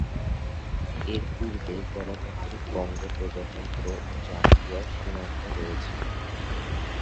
এর পূর্বে গণতান্ত্রিক কঙ্গো প্রজাতন্ত্র ও জাম্বিয়ার সীমান্ত রয়েছে।